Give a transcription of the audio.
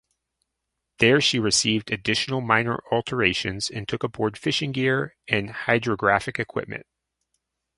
There she received additional minor alterations and took aboard fishing gear and hydrographic equipment.